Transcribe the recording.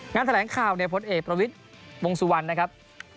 งานแถลงข่าวเนี่ยพลเอกประวิทย์วงสุวรรณนะครับ